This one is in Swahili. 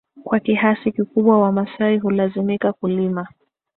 kwa kiasi kikubwa Wamaasai hulazimika kulima